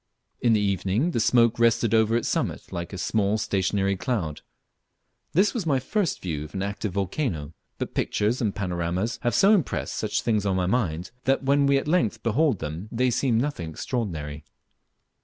In the evening the smoke rested over its summit like a small stationary cloud. This was my first view of an active volcano, but pictures and panoramas have so impressed such things on one's mind, that when we at length behold them they seem nothing extraordinary.